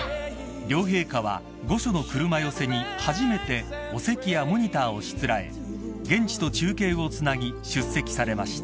［両陛下は御所の車寄せに初めてお席やモニターをしつらえ現地と中継をつなぎ出席されました］